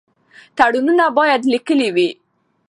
تړونونه باید لیکلي وي.